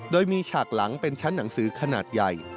โดยมีฉากหลังเป็นชั้นหนังสือขนาดใหญ่